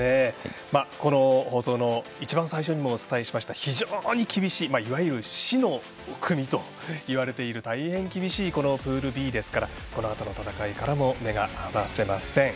この放送の一番最初にもお伝えしましたが非常に厳しいいわゆる死の組といわれている大変厳しいプールＢですからこのあとの戦いからも目が離せません。